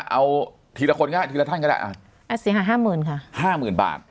เอาทีละคนก็ทีละท่านก็ได้อ่ะเสียหายห้าหมื่นค่ะห้าหมื่นบาท